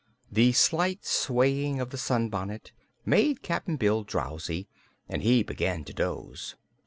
The slight swaying of the sunbonnet made Cap'n Bill drowsy, and he began to doze.